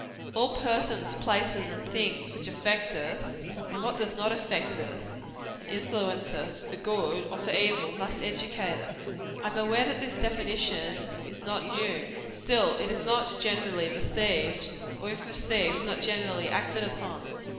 All persons, places and things, which affect us (and what does not affect us?) and influence us, for good or for evil, must educate us. I am aware that this definition is not new: still, it is not generally received, or if received, not generally acted upon.